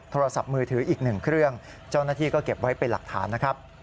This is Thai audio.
โทรศัพท์มือถืออีกหนึ่งเครื่องเจ้าหน้าที่ก็เก็บไว้เป็นหลักฐานนะครับ